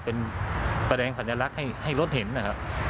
เป็นแปดแหลงภัณฑ์ลักษณ์ให้รถเห็นนะครับ